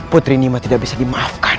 putri nima tidak bisa dimaafkan